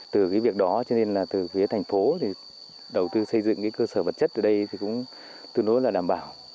từ cái việc đó cho nên là từ phía thành phố thì đầu tư xây dựng cái cơ sở vật chất ở đây thì cũng tương đối là đảm bảo